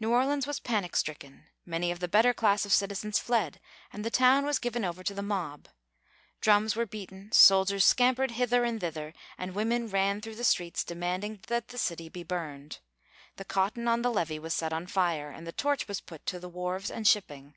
New Orleans was panic stricken. Many of the better class of citizens fled, and the town was given over to the mob. Drums were beaten, soldiers scampered hither and thither, and women ran through the streets demanding that the city be burned. The cotton on the levee was set on fire, and the torch was put to the wharves and shipping.